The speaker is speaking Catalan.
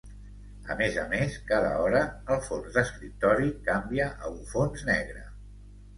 A més a més cada hora, el fons d'escriptori canvia a un fons negre.